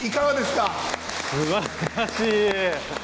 すばらしい！